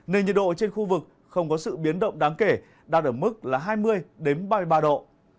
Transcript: nên nhiệt độ trên khu vực không có sự biến động đáng kể đạt ở mức là hai mươi ba mươi ba độ